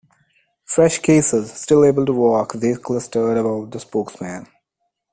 Fresh cases, still able to walk, they clustered about the spokesman.